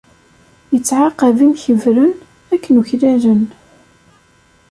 Ittɛaqab imkebbren akken uklalen.